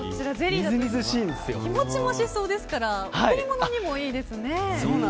日持ちもしそうですから贈り物にもいいですね。